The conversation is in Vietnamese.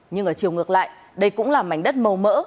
nhưng ở chiều ngược lại đây cũng là mảnh đất màu mỡ